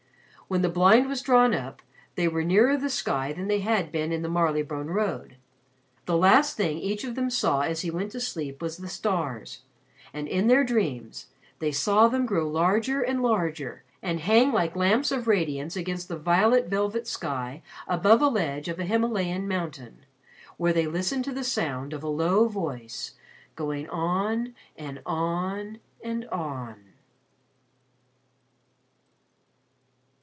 When the blind was drawn up, they were nearer the sky than they had been in the Marylebone Road. The last thing each of them saw, as he went to sleep, was the stars and in their dreams, they saw them grow larger and larger, and hang like lamps of radiance against the violet velvet sky above a ledge of a Himalayan Mountain, where they listened to the sound of a low voice going on and on and on.